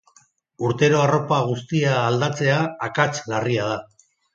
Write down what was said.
Urtero arropa guztia aldatzea akats larria da.